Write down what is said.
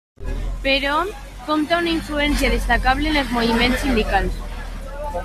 Però, compta una influència destacable en els moviments sindicals.